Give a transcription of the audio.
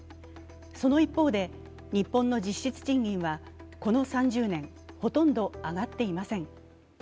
その一方で、日本の実質賃金はこの３０年、ほとんど上がっていません。